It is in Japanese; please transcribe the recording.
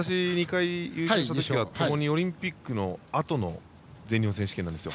私、２回優勝したときはともにオリンピックのあとの全日本選手権なんですよ。